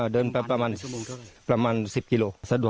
เดินไปประมาณ๑๐กิโลสะดวก